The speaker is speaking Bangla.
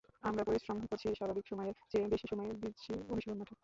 আমরা পরিশ্রম করছি, স্বাভাবিক সময়ের চেয়েও বেশি সময় দিচ্ছি অনুশীলন মাঠে।